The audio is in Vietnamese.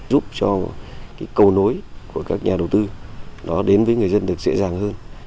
giúp cho cái cầu nối của các nhà đầu tư nó đến với người dân được dễ dàng hơn